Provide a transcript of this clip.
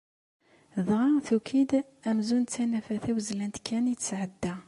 Dɣa tuki-d amzun d tanafa tawezzlant kan i tesεedda.